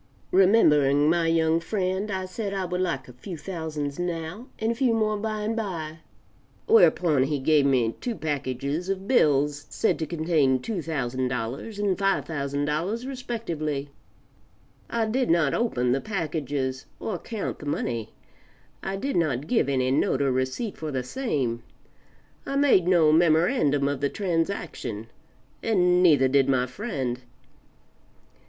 Remembering my young, friend, I said I would like a few thousands now, and a few more by and by; whereupon he gave me two packages of bills said to contain $2,000 and $5,000 respectively; I did not open the packages or count the money; I did not give any note or receipt for the same; I made no memorandum of the transaction, and neither did my friend.